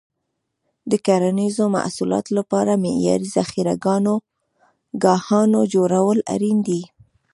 د کرنیزو محصولاتو لپاره معیاري ذخیره ګاهونه جوړول اړین دي.